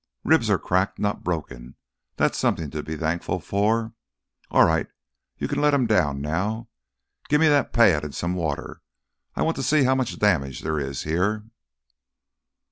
"Ribs are cracked, not broken—that's something to be thankful for. All right, you can let him down now. Give me that pad and some water; I want to see how much damage there is here."